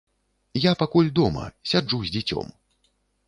Я пакуль дома, сяджу з дзіцём.